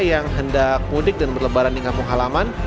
yang hendak mudik dan berlebaran di kampung halaman